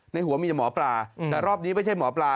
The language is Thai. ในหัวมีแต่หมอปลาแต่รอบนี้ไม่ใช่หมอปลา